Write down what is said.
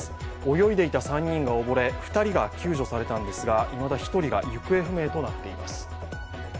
泳いでいた３人が溺れ、２人が救助されましたが、いまだ１人が行方不明となっています。